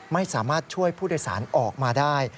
ไม่สามารถช่วยผู้โดยสารออกมาได้